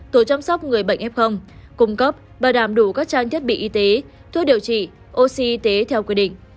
tổ chăm sóc người bệnh f cung cấp bảo đảm đủ các trang thiết bị y tế thuốc điều trị oxy y tế theo quy định